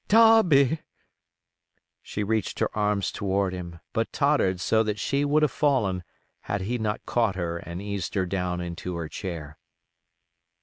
"Darby!" She reached her arms toward him, but tottered so that she would have fallen, had he not caught her and eased her down into her chair.